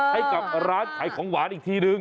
ให้กับร้านขายของหวานอีกทีนึง